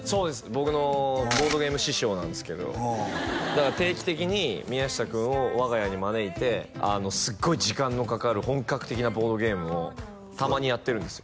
僕のボードゲーム師匠なんですけどだから定期的に宮下君を我が家に招いてすごい時間のかかる本格的なボードゲームをたまにやってるんですよ